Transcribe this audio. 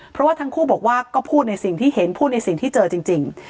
เพราะว่าทั้งคู่บอกว่าก็พูดในสิ่งที่เห็นพูดในสิ่งที่เจอจริง